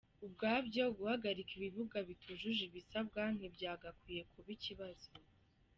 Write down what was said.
Ubwabyo guhagarika ibibuga bitujuje ibisabwa ntibyagakwiye kuba ikibazo.